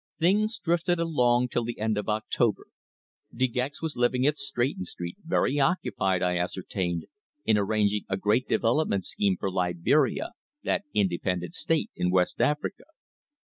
Things drifted along till the end of October. De Gex was living at Stretton Street, very occupied, I ascertained, in arranging a great development scheme for Liberia, that independent State in West Africa.